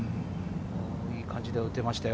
いい感じで打てましたよ。